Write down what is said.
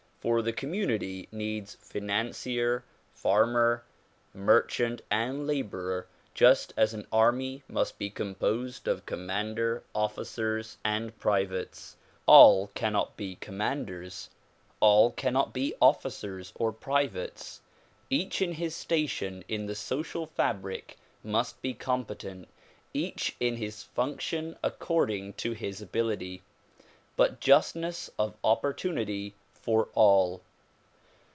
For the community needs financier, farmer, merchant and laborer just as an army must be composed of commander, officers and privates. All cannot be commanders; all cannot be officers or privates. Each in his station in the social fabric must be competent; each in his function according to ability; but justness of opportunity for all.